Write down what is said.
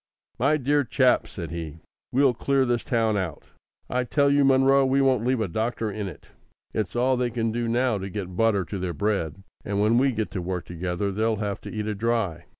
"My dear chap!" said he. "We'll clear this town out. I tell you, Munro, we won't leave a doctor in it. It's all they can do now to get butter to their bread; and when we get to work together they'll have to eat it dry.